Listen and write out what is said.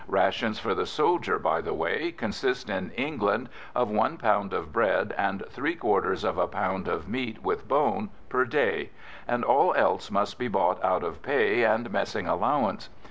Rations for the soldier, by the way, consist in England of one pound of bread and three quarters of a pound of meat with bone per day, and all else must be bought out of pay and messing allowance.